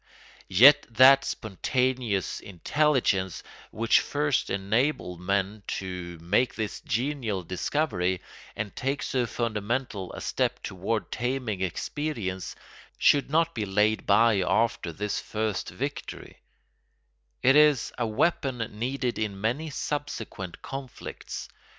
Yet that spontaneous intelligence which first enabled men to make this genial discovery and take so fundamental a step toward taming experience should not be laid by after this first victory; it is a weapon needed in many subsequent conflicts.